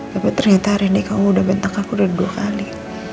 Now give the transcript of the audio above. tapi ternyata hari ini kamu udah bentak aku udah dua kali